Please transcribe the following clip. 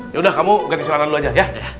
yaudah kamu ganti celana dulu aja ya